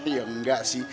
ya enggak sih